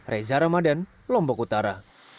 reza ramadan lombok utara